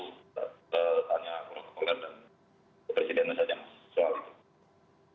kita tanya kepada pak presiden dan pak presiden saja soal itu